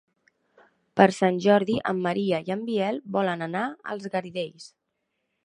Per Sant Jordi en Maria i en Biel volen anar als Garidells.